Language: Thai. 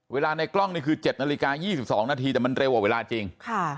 ในกล้องนี่คือ๗นาฬิกา๒๒นาทีแต่มันเร็วกว่าเวลาจริง